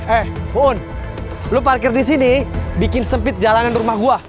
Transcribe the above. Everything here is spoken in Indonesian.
eh uud lu parkir disini bikin sempit jalanan rumah gue